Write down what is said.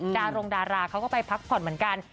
ดารงดาราเขาก็ไปพักผ่อนเหมือนกัน